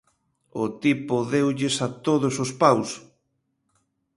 O tipo deulles a todos os paus.